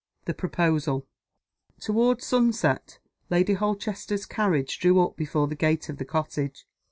THE PROPOSAL. TOWARD sunset, Lady Holchester's carriage drew up before the gate of the cottage.